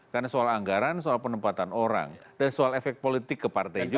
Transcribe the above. karena soal anggaran soal penempatan orang dan soal efek politik ke partai juga